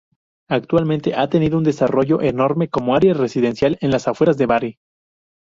Actualmente ha tenido un desarrollo enorme como area residencial en las afueras de Bari.